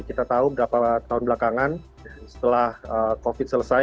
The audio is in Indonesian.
kita tahu berapa tahun belakangan setelah covid selesai